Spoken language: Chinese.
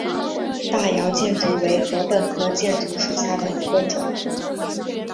大姚箭竹为禾本科箭竹属下的一个种。